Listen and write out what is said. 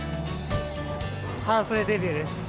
半袖デビューです。